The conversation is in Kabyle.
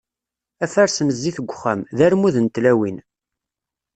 Afares n zzit deg uxxam, d armud n tlawin.